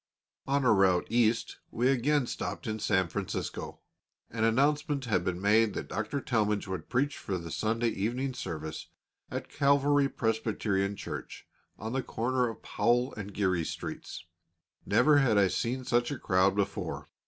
On our route East we again stopped in San Francisco. An announcement had been made that Dr. Talmage would preach for the Sunday evening service at Calvary Presbyterian Church, on the corner of Powell and Geary Streets. Never had I seen such a crowd before.